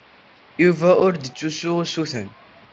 Yuba ur d-ittessu usuten.